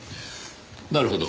なるほど。